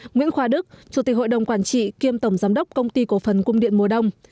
nguyễn khoa đức chủ tịch hội đồng quản trị kiêm tổng giám đốc công ty cổ phần cung điện mùa đông